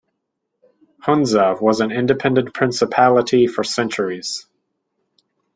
Hunza was an independent principality for centuries.